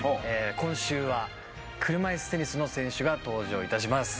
今週は車いすテニスの選手が登場いたします